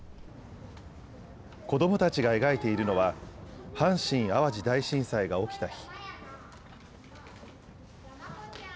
子どもたちが描いているのは、阪神・淡路大震災が起きた日。